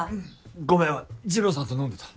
ごめん二郎さんと飲んでた。